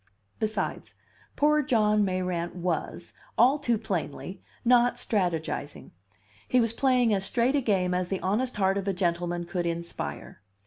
Besides, poor John Mayrant was, all too plainly, not strategizing; he was playing as straight a game as the honest heart of a gentleman could inspire.